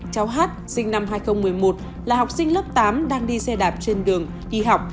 cháu hát sinh năm hai nghìn một mươi một là học sinh lớp tám đang đi xe đạp trên đường đi học